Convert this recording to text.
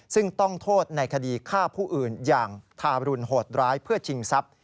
ซึ่งต้องโทษในคดีฆ่าผู้อื่นอย่างทารุณโหดร้ายเพื่อชิงทรัพย์